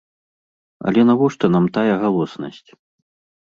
Але навошта нам тая галоснасць?